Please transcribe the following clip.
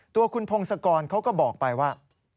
ตัวคุณพงศกรเขาก็บอกไปว่า